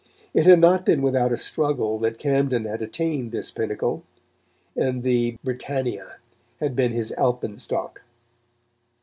It had not been without a struggle that Camden had attained this pinnacle; and the Britannia had been his alpenstock.